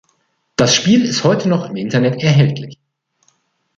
Das Spiel ist heute noch im Internet erhältlich.